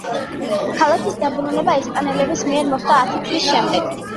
ქალაქის დაბრუნება ესპანელების მიერ მოხდა ათი წლის შემდეგ.